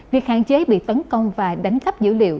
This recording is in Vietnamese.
việc hạn chế bị tấn công và đánh cắp dữ liệu